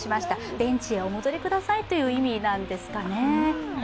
ベンチへお戻りくださいという意味なんですかね。